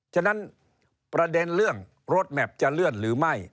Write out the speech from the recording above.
ฉะนั้นประเด็นเรื่องรถแมพจะเลื่อนหรือไม่